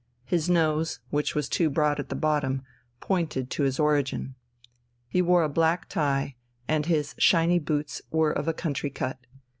His nose, which was too broad at the bottom, pointed to his origin. He wore a black tie, and his shiny boots were of a country cut.